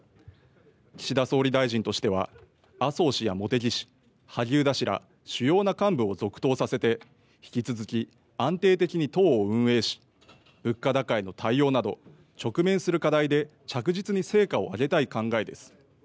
岸田総理大臣としては麻生氏や茂木氏、萩生田氏ら主要な幹部を続投させて引き続き安定的に党を運営し、物価高への対応など直面する課題で着実に成果を上げたい考えです。